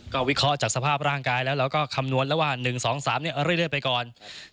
ก็วิเคราะห์จากสภาพร่างกายแล้วเราก็คำนวณแล้วว่า๑๒๓เรื่อยไปก่อน